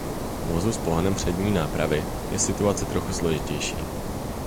U vozů s pohonem přední nápravy je situace trochu složitější.